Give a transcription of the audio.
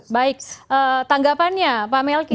baik tanggapannya pak melki